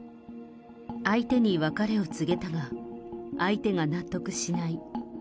相手に別れを告げたが、相手が納得しない。